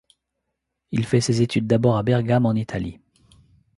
Il fait ses études d’abord à Bergame en Italie.